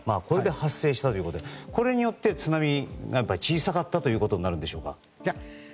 これで発生したということでこれによって津波が小さかったことになるんですか。